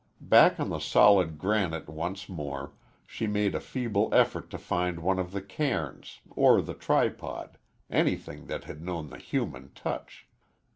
Back on the solid granite once more, she made a feeble effort to find one of the cairns, or the tripod, anything that had known the human touch.